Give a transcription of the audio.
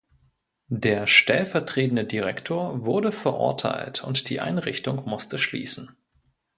Der stellvertretende Direktor wurde verurteilt und die Einrichtung musste schließen.